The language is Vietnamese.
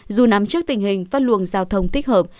dù nắm trước tình hình phát luồng giao thông tích hợp